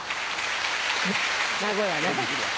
名古屋ね。